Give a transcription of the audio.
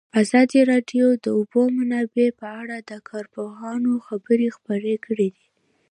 ازادي راډیو د د اوبو منابع په اړه د کارپوهانو خبرې خپرې کړي.